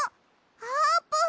あーぷん！